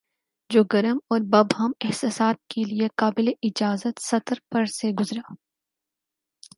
جو گرم اور مبہم احساسات کے لیے قابلِاجازت سطر پر سے گزرا